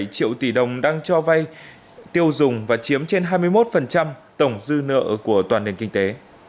bảy triệu tỷ đồng đang cho vay tiêu dùng và chiếm trên hai mươi một tổng dư nợ của toàn nền kinh tế